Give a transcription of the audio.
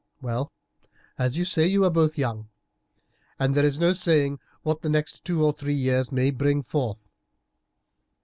Well, as you say, you are both young, and there is no saying what the next two or three years may bring forth.